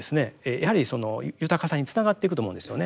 やはり豊かさにつながっていくと思うんですよね。